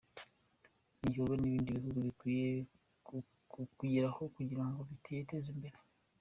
Ni igikorwa n’ibindi bihugu bikwiye kwigiraho kugira ngo byiteze imbere.